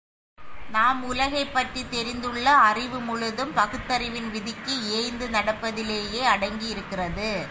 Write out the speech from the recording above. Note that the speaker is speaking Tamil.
நாம் உலகைப் பற்றித் தெரிந்துள்ள அறிவு முழுதும் பகுத்தறிவின் விதிக்கு இயைந்து நடப்பதிலேயே அடங்கியிருக்கிறது.